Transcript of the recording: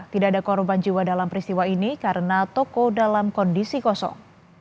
tidak ada korban jiwa dalam peristiwa ini karena toko dalam kondisi kosong